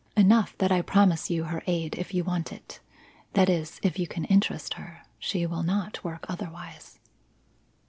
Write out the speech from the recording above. Enough that I promise you her aid if you want it. That is, if you can interest her. She will not work otherwise."